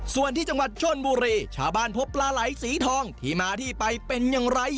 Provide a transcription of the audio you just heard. ส่วนที่จังหวัดชนบุรีชาวบ้านพบปลาไหลสีทองที่มาที่ไปเป็นอย่างไร